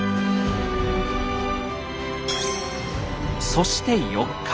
そして４日目。